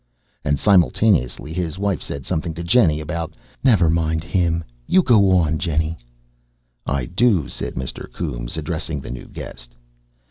And simultaneously his wife said something to Jennie about "Never mind 'im. You go on, Jinny." "I do," said Mr. Coombes, addressing the new guest.